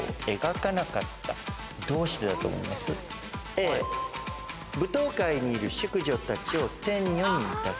Ａ舞踏会にいる淑女たちを天女に見立てる。